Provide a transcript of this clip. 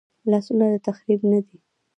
لاسونه د تخریب نه دي